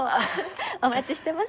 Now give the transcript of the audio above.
お待ちしてます。